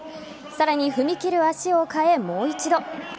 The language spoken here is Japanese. さらに踏み切る足をかえもう一度。